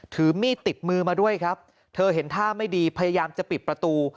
ถือมีดติดมือมาด้วยครับเธอเห็นท่าไม่ดีพยายามจะปิดประตู